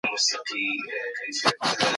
غبار یې سرښندنه ستایي.